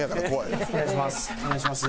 お願いします。